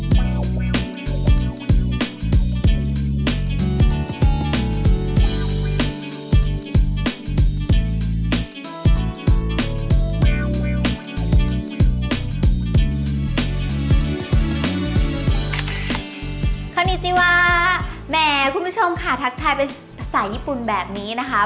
สวัสดีว่าแหมคุณผู้ชมค่ะทักทายเป็นสายญี่ปุ่นแบบนี้นะคะ